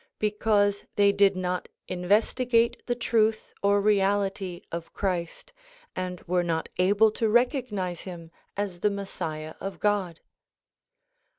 Because they did not investigate the truth or reality of Christ and were not able to recognize him as the Messiah of God.